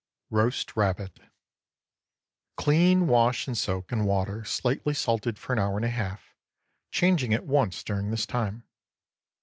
ROAST RABBIT. Clean, wash, and soak in water slightly salted for an hour and a half, changing it once during this time.